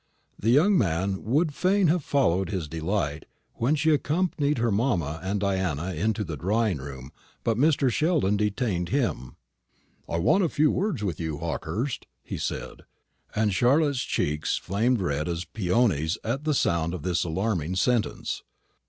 The young man would fain have followed his delight when she accompanied her mamma and Diana to the drawing room; but Mr. Sheldon detained him. "I want a few words with you, Hawkehurst," he said; and Charlotte's cheeks flamed red as peonies at sound of this alarming sentence.